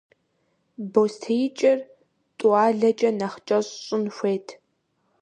БостеикӀэр тӀуалэкӀэ нэхъ кӀэщӀ щӀын хуейт.